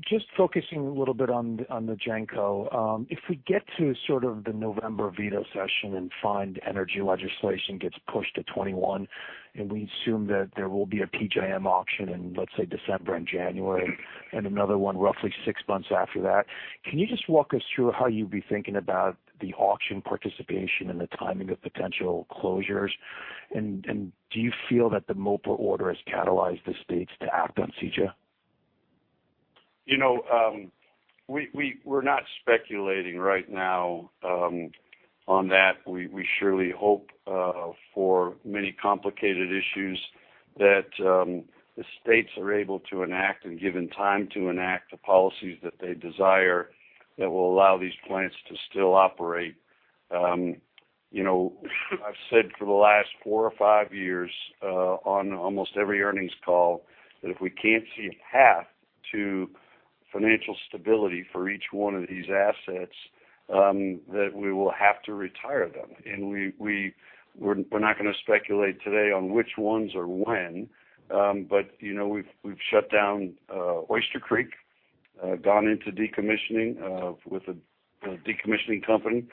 Just focusing a little bit on the GenCo. If we get to sort of the November veto session and find energy legislation gets pushed to 2021, and we assume that there will be a PJM auction in, let's say, December and January, and another one roughly six months after that. Can you just walk us through how you'd be thinking about the auction participation and the timing of potential closures? Do you feel that the MOPR order has catalyzed the states to act on CEJA? We're not speculating right now on that. We surely hope, for many complicated issues, that the states are able to enact and given time to enact the policies that they desire that will allow these plants to still operate. I've said for the last four or five years, on almost every earnings call, that if we can't see a path to financial stability for each one of these assets, that we will have to retire them. We're not going to speculate today on which ones or when. We've shut down Oyster Creek, gone into decommissioning with a decommissioning company.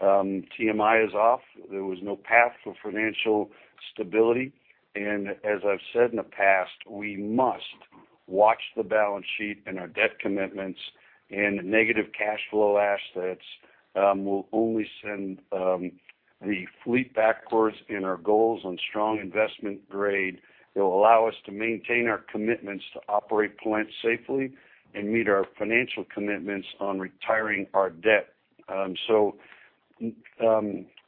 TMI is off. There was no path for financial stability. As I've said in the past, we must watch the balance sheet and our debt commitments, and the negative cash flow assets will only send the fleet backwards in our goals on strong investment grade that will allow us to maintain our commitments to operate plants safely and meet our financial commitments on retiring our debt.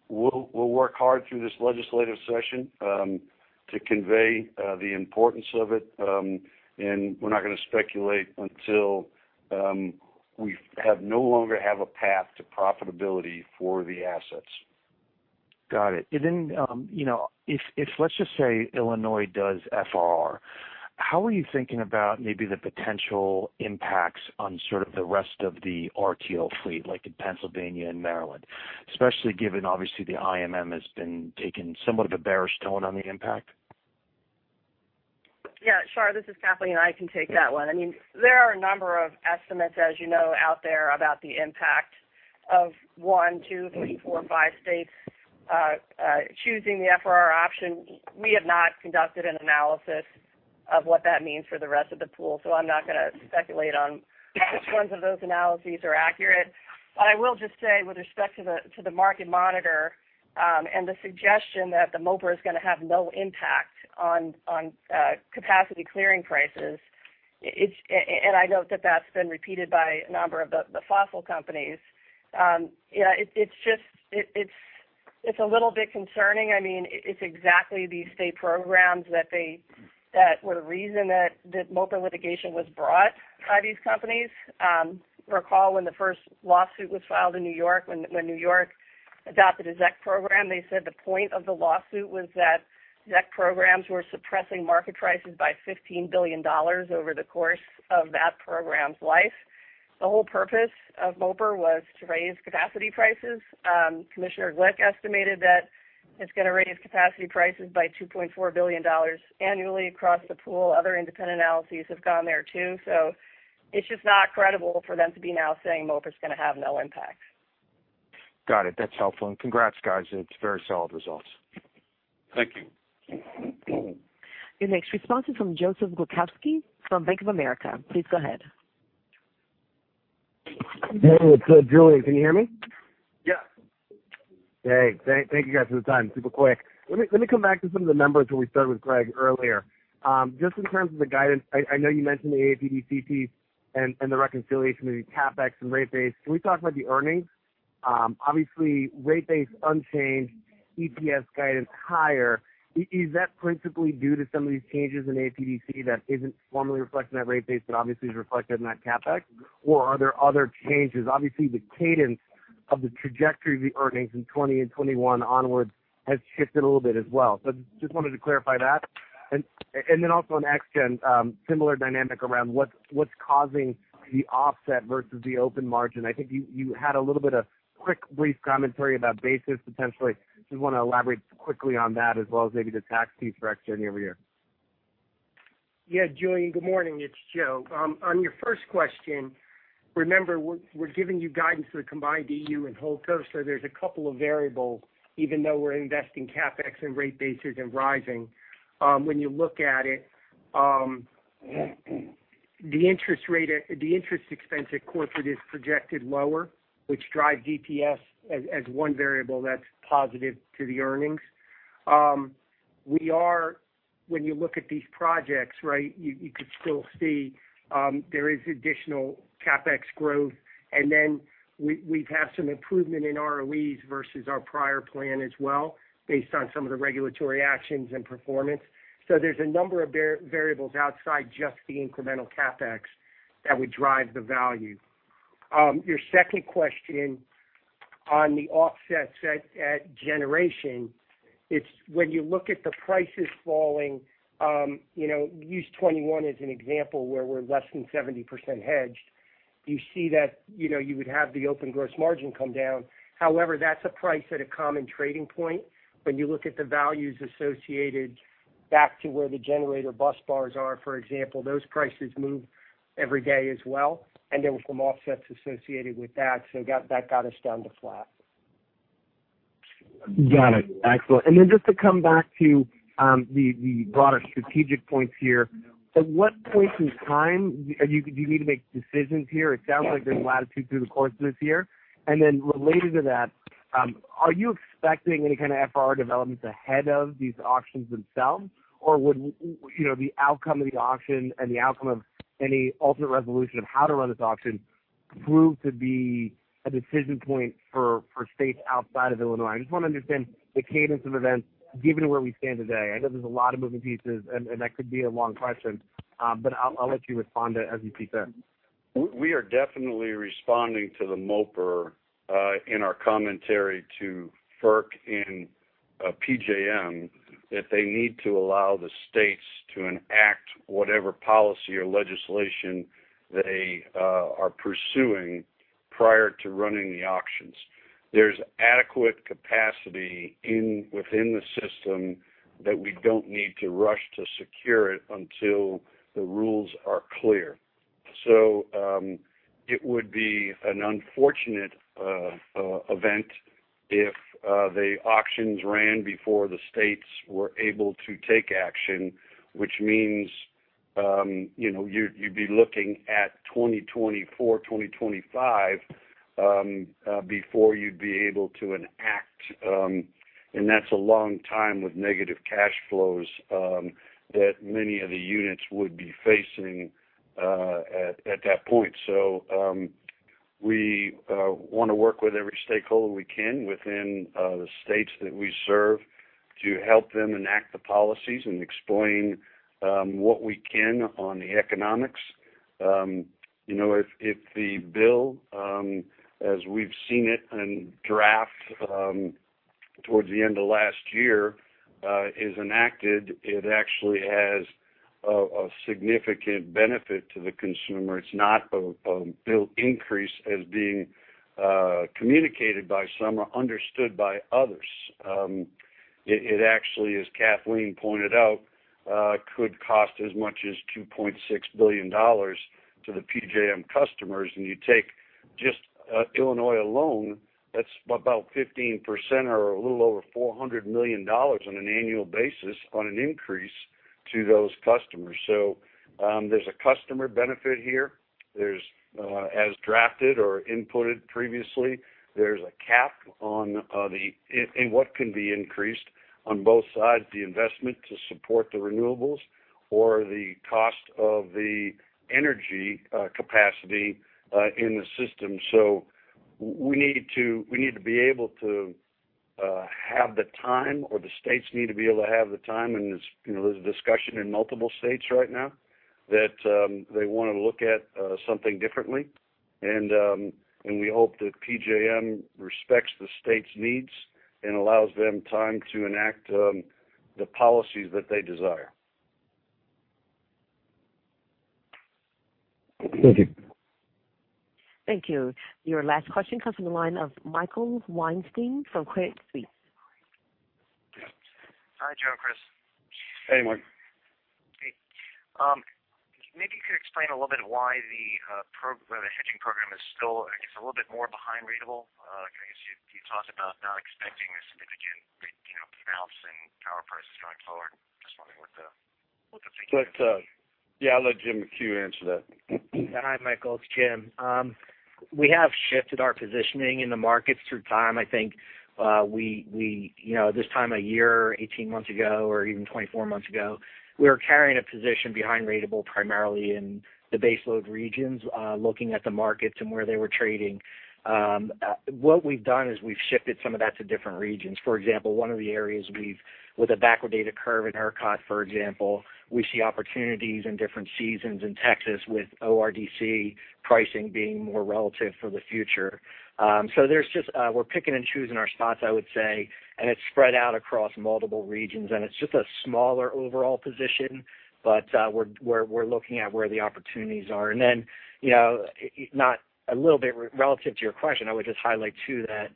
We'll work hard through this legislative session to convey the importance of it. We're not going to speculate until we no longer have a path to profitability for the assets. Got it. Then, if let's just say Illinois does FRR, how are you thinking about maybe the potential impacts on sort of the rest of the RTO fleet, like in Pennsylvania and Maryland, especially given obviously the IMM has been taking somewhat of a bearish tone on the impact? Yeah, Shar, this is Kathleen. I can take that one. There are a number of estimates, as you know, out there about the impact of one, two, three, four, five states choosing the FRR option. We have not conducted an analysis of what that means for the rest of the pool. I'm not going to speculate on which ones of those analyses are accurate. I will just say with respect to the Market Monitor, the suggestion that the MOPR is going to have no impact on capacity clearing prices. I note that that's been repeated by a number of the fossil companies. It's a little bit concerning. It's exactly these state programs that were the reason that MOPR litigation was brought by these companies. Recall when the first lawsuit was filed in New York when New York adopted a ZEC program. They said the point of the lawsuit was that ZEC programs were suppressing market prices by $15 billion over the course of that program's life. The whole purpose of MOPR was to raise capacity prices. Commissioner Glick estimated that it's going to raise capacity prices by $2.4 billion annually across the pool. Other independent analyses have gone there, too. It's just not credible for them to be now saying MOPR is going to have no impact. Got it. That's helpful, and congrats, guys. It's very solid results. Thank you. Your next response is from Joseph Rokowski from Bank of America. Please go ahead. Hey, it's Julien. Can you hear me? Yeah. Great. Thank you guys for the time. Super quick. Let me come back to some of the numbers where we started with Greg earlier. Just in terms of the guidance, I know you mentioned the AFUDC and the reconciliation between CapEx and rate base. Can we talk about the earnings? Obviously, rate base unchanged, EPS guidance higher. Is that principally due to some of these changes in AFUDC that isn't formally reflected in that rate base but obviously is reflected in that CapEx? Are there other changes? Obviously, the cadence of the trajectory of the earnings in 2020 and 2021 onwards has shifted a little bit as well. Just wanted to clarify that. Then also on ExGen, similar dynamic around what's causing the offset versus the open margin. I think you had a little bit of quick, brief commentary about basis potentially. Just want to elaborate quickly on that as well as maybe the tax piece for ExGen year-over-year. Julien, good morning. It's Joe. On your first question, remember, we're giving you guidance for the combined EU and HoldCo, so there's a couple of variables, even though we're investing CapEx and rate base is in rising. When you look at it, the interest expense at corporate is projected lower, which drives EPS as one variable that's positive to the earnings. When you look at these projects, you could still see there is additional CapEx growth, and then we've had some improvement in ROEs versus our prior plan as well, based on some of the regulatory actions and performance. There's a number of variables outside just the incremental CapEx that would drive the value. Your second question on the offsets at generation, it's when you look at the prices falling, use 2021 as an example where we're less than 70% hedged. You see that you would have the open gross margin come down. However, that's a price at a common trading point. When you look at the values associated back to where the generator bus bars are, for example, those prices move every day as well. There were some offsets associated with that, so that got us down to flat. Got it. Excellent. Just to come back to the broader strategic points here. At what point in time do you need to make decisions here? It sounds like there's latitude through the course of this year. Related to that, are you expecting any kind of FRR developments ahead of these auctions themselves? Would the outcome of the auction and the outcome of any ultimate resolution of how to run this auction prove to be a decision point for states outside of Illinois? I just want to understand the cadence of events given where we stand today. I know there's a lot of moving pieces, and that could be a long question, but I'll let you respond to as you keep that. We are definitely responding to the MOPR in our commentary to FERC and PJM that they need to allow the states to enact whatever policy or legislation they are pursuing prior to running the auctions. There's adequate capacity within the system that we don't need to rush to secure it until the rules are clear. It would be an unfortunate event if the auctions ran before the states were able to take action, which means you'd be looking at 2024, 2025, before you'd be able to enact. That's a long time with negative cash flows that many of the units would be facing at that point. We want to work with every stakeholder we can within the states that we serve. To help them enact the policies and explain what we can on the economics. If the bill, as we've seen it in draft towards the end of last year, is enacted, it actually has a significant benefit to the consumer. It's not a bill increase as being communicated by some or understood by others. It actually, as Kathleen pointed out, could cost as much as $2.6 billion to the PJM customers. You take just Illinois alone, that's about 15% or a little over $400 million on an annual basis on an increase to those customers. There's a customer benefit here. As drafted or inputted previously, there's a cap in what can be increased on both sides, the investment to support the renewables or the cost of the energy capacity in the system. We need to be able to have the time, or the states need to be able to have the time, and there's a discussion in multiple states right now that they want to look at something differently. We hope that PJM respects the state's needs and allows them time to enact the policies that they desire. Thank you. Thank you. Your last question comes from the line of Michael Weinstein from Credit Suisse. Hi, Joe and Chris. Hey, Michael. Hey. Maybe you could explain a little bit why the hedging program is still, I guess, a little bit more behind ratable. I guess you talked about not expecting a significant bounce in power prices going forward. Just wondering what the thinking is. Yeah, I'll let James McHugh answer that. Hi, Michael. It's Jim. We have shifted our positioning in the markets through time. I think this time a year, 18 months ago, or even 24 months ago, we were carrying a position behind ratable primarily in the baseload regions, looking at the markets and where they were trading. What we've done is we've shifted some of that to different regions. For example, one of the areas with a backwardated curve in ERCOT, for example, we see opportunities in different seasons in Texas with ORDC pricing being more relative for the future. We're picking and choosing our spots, I would say, and it's spread out across multiple regions, and it's just a smaller overall position. We're looking at where the opportunities are. A little bit relative to your question, I would just highlight, too, that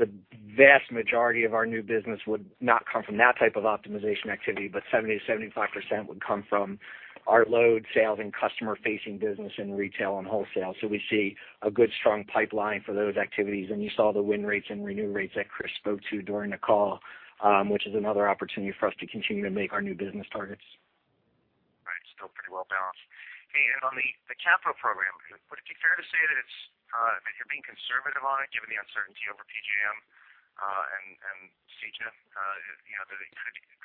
the vast majority of our new business would not come from that type of optimization activity, but 70%-75% would come from our load sales and customer-facing business in retail and wholesale. We see a good, strong pipeline for those activities. You saw the win rates and renew rates that Chris spoke to during the call, which is another opportunity for us to continue to make our new business targets. Right. Still pretty well balanced. Hey, on the capital program, would it be fair to say that you're being conservative on it, given the uncertainty over PJM and CEJA?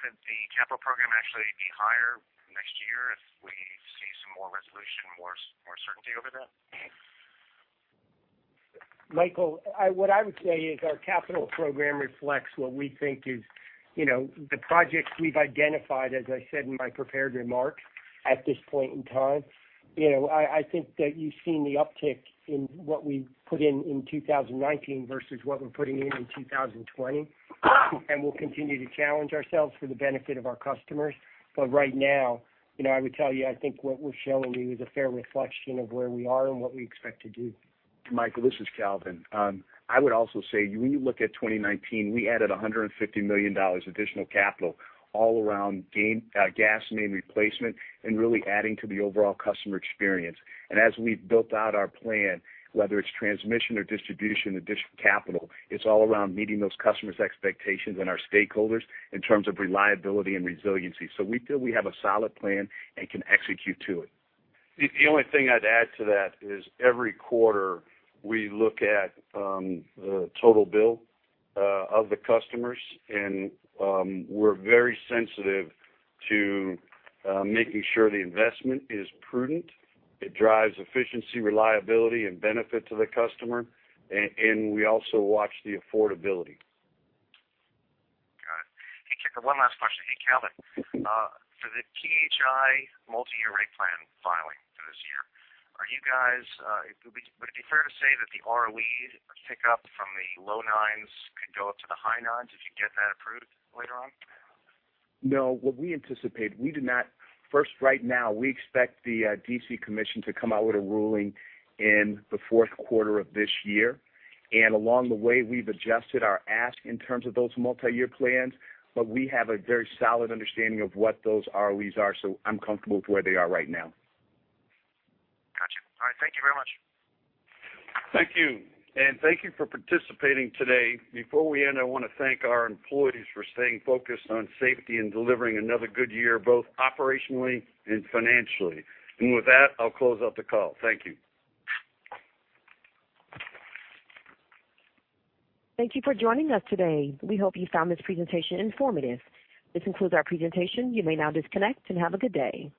Could the capital program actually be higher next year if we see some more resolution, more certainty over that? Michael, what I would say is our capital program reflects what we think is the projects we've identified, as I said in my prepared remarks, at this point in time. I think that you've seen the uptick in what we put in in 2019 versus what we're putting in in 2020. We'll continue to challenge ourselves for the benefit of our customers. Right now, I would tell you, I think what we're showing you is a fair reflection of where we are and what we expect to do. Michael, this is Calvin. I would also say, when you look at 2019, we added $150 million additional capital all around gas main replacement and really adding to the overall customer experience. As we've built out our plan, whether it's transmission or distribution, additional capital, it's all around meeting those customers' expectations and our stakeholders in terms of reliability and resiliency. We feel we have a solid plan and can execute to it. The only thing I'd add to that is every quarter, we look at the total bill of the customers, and we're very sensitive to making sure the investment is prudent. It drives efficiency, reliability, and benefit to the customer. We also watch the affordability. Got it. Hey, one last question. Hey, Calvin. For the PHI multi-year rate plan filing for this year, would it be fair to say that the ROE pick up from the low 9s could go up to the high 9s if you get that approved later on? No. First, right now, we expect the D.C. Commission to come out with a ruling in the fourth quarter of this year. Along the way, we've adjusted our ask in terms of those multi-year plans, but we have a very solid understanding of what those ROEs are, so I'm comfortable with where they are right now. Got you. All right. Thank you very much. Thank you. Thank you for participating today. Before we end, I want to thank our employees for staying focused on safety and delivering another good year, both operationally and financially. With that, I'll close out the call. Thank you. Thank you for joining us today. We hope you found this presentation informative. This concludes our presentation. You may now disconnect, and have a good day.